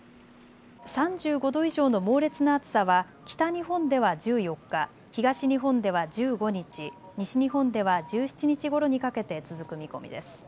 ３５度以上の猛烈な暑さは北日本では１４日、東日本では１５日、西日本では１７日ごろにかけて続く見込みです。